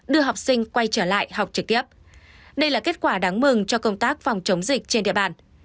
đưa học sinh quay trở lại học trực tiếp đây là kết quả đáng mừng cho công tác phòng chống dịch trên địa bàn